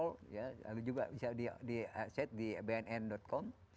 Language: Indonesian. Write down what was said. lalu juga bisa di set di bnn com